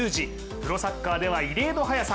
プロサッカーでは異例の早さ。